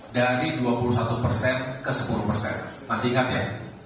dari dua puluh satu persen ke sepuluh persen masih ingat ya